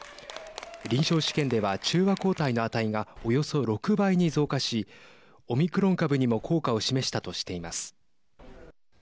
臨床試験では、中和抗体の値がおよそ６倍に増加しオミクロン株にも効果を示したとしています。